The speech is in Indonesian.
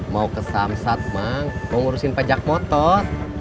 mau ke samsat mang mau ngurusin pajak motor